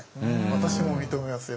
私も認めますよ